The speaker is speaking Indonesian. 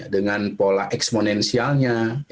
dengan pola eksponensialnya